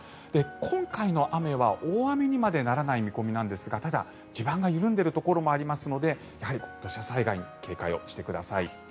今回の雨は大雨にまでならない見込みなんですがただ、地盤が緩んでいるところもありますので土砂災害に警戒をしてください。